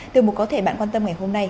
từ mục có thể bạn quan tâm ngày hôm nay